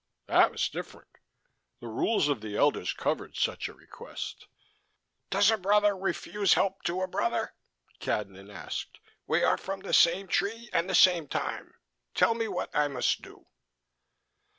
That was different. The rules of the elders covered such a request. "Does a brother refuse help to a brother?" Cadnan asked. "We are from the same tree and the same time. Tell me what I must do."